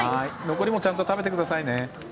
残りもちゃんと食べてくださいね。